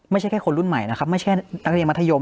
ไม่ใช่แค่คนรุ่นใหม่นะครับไม่ใช่นักเรียนมัธยม